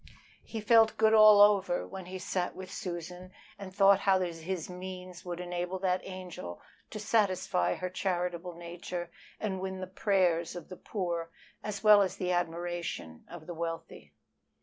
He felt good all over when he sat with Susan and thought how his means would enable that angel to satisfy her charitable nature, and win the prayers of the poor as well as the admiration of the wealthy.